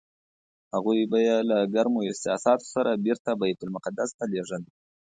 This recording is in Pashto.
هغوی به یې له ګرمو احساساتو سره بېرته بیت المقدس ته لېږل.